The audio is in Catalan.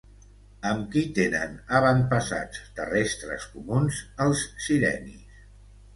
Amb qui tenen avantpassats terrestres comuns els sirenis?